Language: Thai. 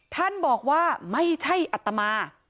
ท่านบอกว่าไม่ใช่อัตมา